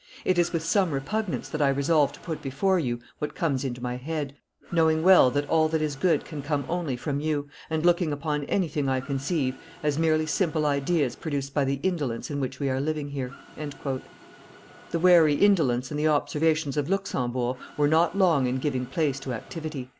It is with some repugnance that I resolve to put before you what comes into my head, knowing well that all that is good can come only from you, and looking upon anything I conceive as merely simple ideas produced by the indolence in which we are living here." [Illustration: Marshal Luxembourg 461] The wary indolence and the observations of Luxembourg were not long in giving place to activity.